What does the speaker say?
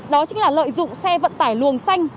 đó chính là lợi dụng xe vận tải luồng xanh